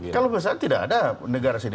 kalau besar tidak ada negara sini